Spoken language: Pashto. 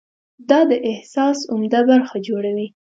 دا د احساس عمده برخه جوړوي.